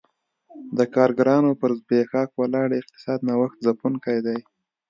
د کارګرانو پر زبېښاک ولاړ اقتصاد نوښت ځپونکی دی